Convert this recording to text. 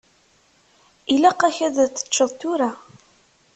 Ilaq-ak ad teččeḍ tura.